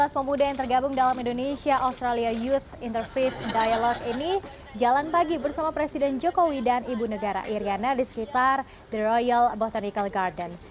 dua belas pemuda yang tergabung dalam indonesia australia youth interfith dialog ini jalan pagi bersama presiden jokowi dan ibu negara iryana di sekitar the royal bostonical garden